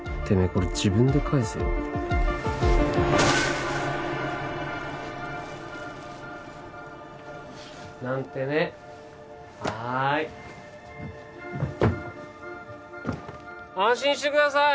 これ自分で返せよなんてねはい安心してください